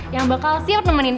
yang bakal siap nemenin